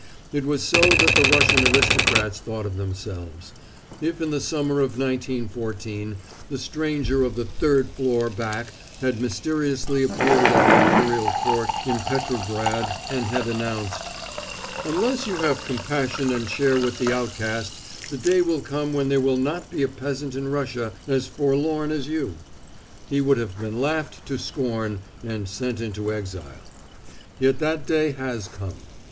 It was so that the Russian aristocrats thought of themselves. If in the summer of 1914 the stranger of The Third Floor Back had mysteriously appeared at the Imperial Court in Petrograd and had announced, "Unless you have compassion and share with the outcast, the day will come when there will not be a peasant in Russia as forlorn as you," he would have been laughed ta scorn and sent into exile. Yet that day has come.